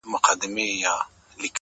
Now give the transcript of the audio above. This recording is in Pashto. د حُسن وږم دې د سترگو زمانه و نه خوري-